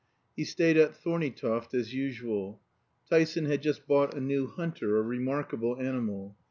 He stayed at Thorneytoft as usual. Tyson had just bought a new hunter, a remarkable animal.